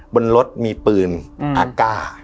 บนรถมีปืนอากาศ